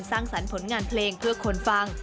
สร้างสรรค์ผลงานเพลงเพื่อคนฟัง